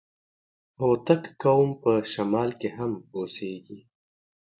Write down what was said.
هوتک قوم په شمال کي هم اوسېږي.